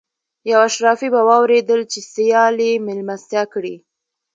یو اشرافي به واورېدل چې سیال یې مېلمستیا کړې.